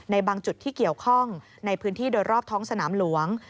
ในบางจุดที่เกี่ยวข้องในพื้นที่โดยรอบท้องสนามหลวง